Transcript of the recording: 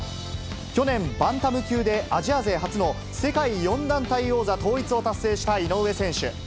去年、バンタム級でアジア勢初の世界４団体王座統一を達成した井上選手。